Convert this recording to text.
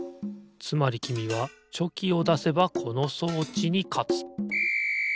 つまりきみはチョキをだせばこの装置にかつピッ！